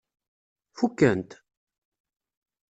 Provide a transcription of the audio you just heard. Fukken-t?